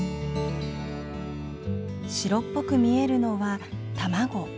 白っぽく見えるのは卵。